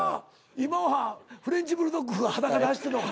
今はフレンチブルドッグが裸で走ってんのか。